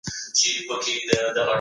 حلاله ګټه په مال کي برکت راولي.